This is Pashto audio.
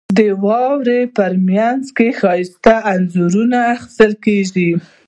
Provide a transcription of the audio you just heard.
• د واورې مینځ کې ښایسته انځورونه اخیستل کېږي.